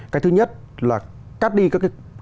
cái thứ nhất là cắt đi các cái cấp độ